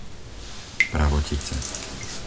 Pravotice